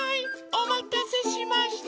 おまたせしました。